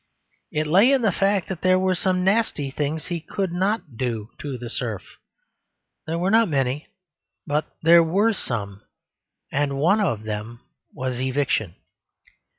It lay in the fact that there were some nasty things he could not do to the serf there were not many, but there were some, and one of them was eviction.